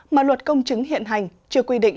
mà luật công chứng hiện hành chưa quy định